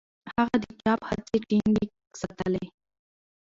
هغه د چاپ هڅې ټینګې ساتلې.